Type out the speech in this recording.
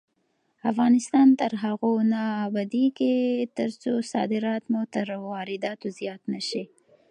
افغانستان تر هغو نه ابادیږي، ترڅو صادرات مو تر وارداتو زیات نشي.